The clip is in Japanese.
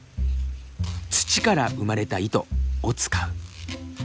「土から生まれた糸」を使う。